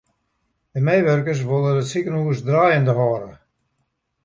De meiwurkers wolle it sikehús draaiende hâlde.